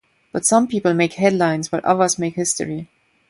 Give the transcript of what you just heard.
But some people make headlines while others make history.